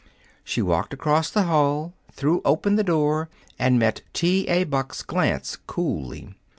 She walked across the hall, threw open the door, and met T. A. Buck's glance coolly.